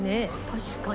確かに。